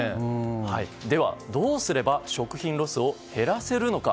では、どうすれば食品ロスを減らせるのか。